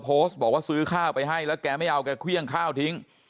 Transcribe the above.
โพสต์บอกว่าซื้อข้าวไปให้แล้วแกไม่เอาแกเครื่องข้าวทิ้ง